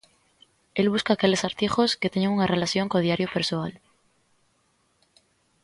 El busca aqueles artigos que teñen unha relación co diario persoal.